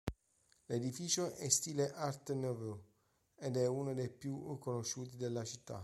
L'edificio è in stile Art Nouveau, ed è uno dei più conosciuti della città.